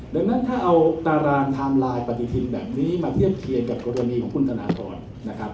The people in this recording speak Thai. ดังนั้นถ้าเอาตารางไทม์ไลน์ปฏิทินแบบนี้มาเทียบเคียงกับกรณีของคุณธนทรนะครับ